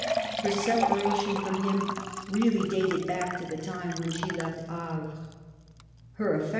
Her separation from him really dated back to the time when she left Havre.